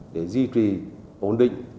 để duy trì ổn định